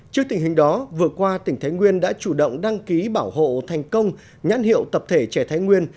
trước tình hình đó vừa qua tỉnh thái nguyên đã chủ động đăng ký bảo hộ thành công nhãn hiệu tập thể trẻ thái nguyên